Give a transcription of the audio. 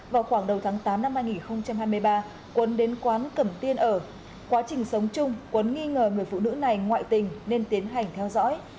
vào khoảng đầu tháng tám năm hai nghìn hai mươi ba quấn đến quán cẩm tiên ở quá trình sống chung quấn nghi ngờ người phụ nữ này ngoại tình nên tiến hành theo dõi